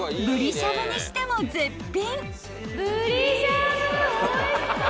しゃぶにしても絶品］